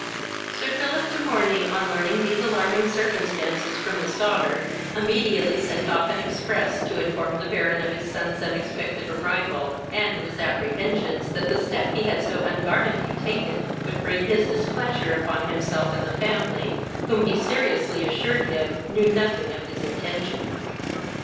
Sir Philip de Morney, on learning these alarming circumstances from his daughter, immediately sent off an express to inform the Baron of his son's unexpected arrival, and of his apprehensions that the step he had so unguardedly taken would bring his displeasure upon himself and family, whom he seriously assured him knew nothing of his intention.